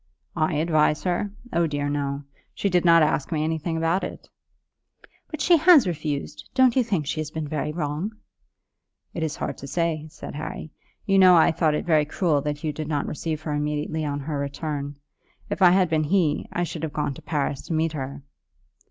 "I advise her! Oh dear, no. She did not ask me anything about it." "But she has refused. Don't you think she has been very wrong?" "It is hard to say," said Harry. "You know I thought it very cruel that Hugh did not receive her immediately on her return. If I had been him I should have gone to Paris to meet her."